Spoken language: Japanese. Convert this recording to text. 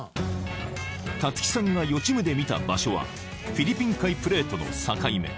たつきさんが予知夢で見た場所はフィリピン海プレートの境目